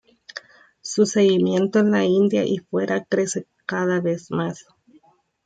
Su seguimiento en la India y fuera crece cada vez más.